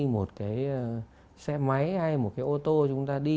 một cái xe máy hay một cái ô tô chúng ta đi